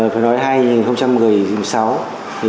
phải nói hay hai nghìn một mươi sáu